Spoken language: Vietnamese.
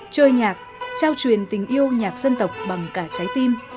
chơi nhạc trao truyền tình yêu nhạc dân tộc bằng cả trái tim